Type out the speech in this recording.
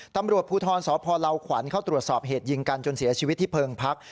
ตำรวจภูทรสพลาวขวัญเข้าตรวจสอบเหตุยิงกันจนเสียชีวิตที่เพิงพัก